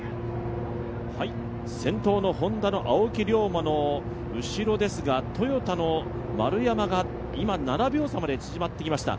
先頭のＨｏｎｄａの青木涼真の後ろですが、トヨタの丸山が今、７秒差まで縮まってまいりました。